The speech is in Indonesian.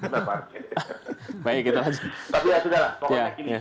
baik tapi ya sudah lah pokoknya gini